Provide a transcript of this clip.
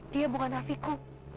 dia bukan raffiku